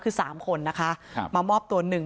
คือ๓คนนะคะมามอบตัวหนึ่ง